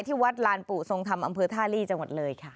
วัดลานปู่ทรงธรรมอำเภอท่าลีจังหวัดเลยค่ะ